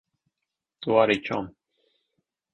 Tu arī, čom.